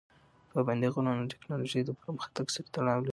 پابندي غرونه د تکنالوژۍ له پرمختګ سره هم تړاو لري.